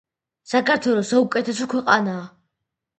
საქართველო საუკეთესო ქვეყანაა